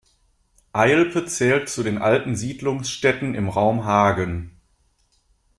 Eilpe zählt zu den alten Siedlungsstätten im Raum Hagen.